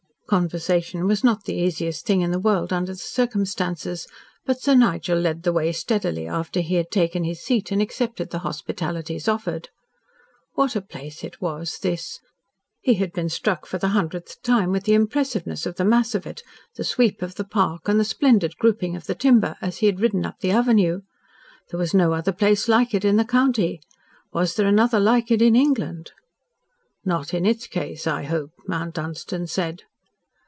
Conversation was not the easiest thing in the world under the circumstances, but Sir Nigel led the way steadily after he had taken his seat and accepted the hospitalities offered. What a place it was this! He had been struck for the hundredth time with the impressiveness of the mass of it, the sweep of the park and the splendid grouping of the timber, as he had ridden up the avenue. There was no other place like it in the county. Was there another like it in England? "Not in its case, I hope," Mount Dunstan said.